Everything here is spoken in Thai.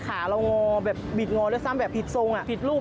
เรางอแบบบิดงอด้วยซ้ำแบบผิดทรงผิดรูป